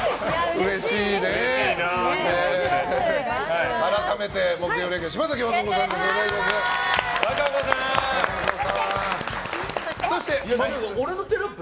うれしいですね。